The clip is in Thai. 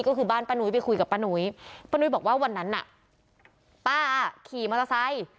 ก็คือบ้านป้านุ้ยไปคุยกับป้านุ้ยป้านุ้ยบอกว่าวันนั้นน่ะป้าขี่มอเตอร์ไซค์